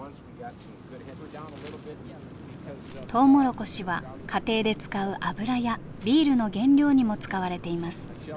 トウモロコシは家庭で使う油やビールの原料にも使われています。